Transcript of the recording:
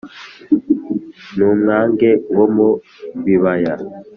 N’umwangange wo mu bibaya.